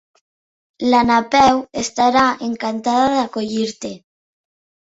La Napeu estarà encantada d'acollir-te.